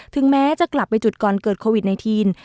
ถึงแม้จะกลับไปจุดก่อนเกิดโควิดในทีน